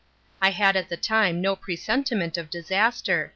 I had at the time no presentiment of disaster.